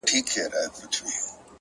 پوهه د نامعلومو لارو نقشه ده!